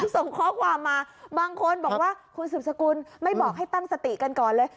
ส่งข้อความมาบางคนบอกว่าคุณสืบสกุลไม่บอกให้ตั้งสติกันก่อนเลย